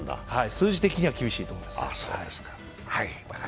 数字的には厳しいと思います。